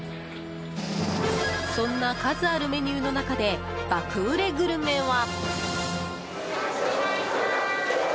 そんな数あるメニューの中で爆売れグルメは。